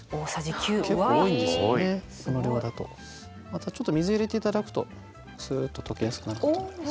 またちょっと水入れて頂くとスッと溶けやすくなると思います。